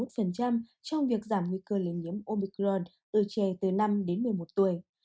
trong việc giảm nguy cơ lây nhiễm omicron ở trẻ từ năm đến một mươi một tuổi